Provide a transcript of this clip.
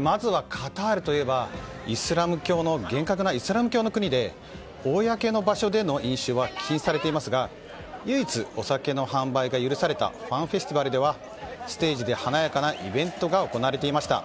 まずはカタールといえば厳格なイスラム教の国で公の場所での飲酒は禁止されていますが唯一お酒の販売が許されたファンフェスティバルではステージで華やかなイベントが行われていました。